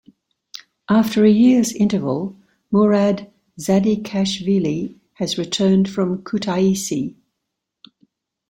After a year's interval Murad Zadikashvili has returned from Kutaisi.